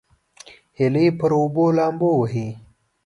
هیلۍ پر اوبو لامبو وهي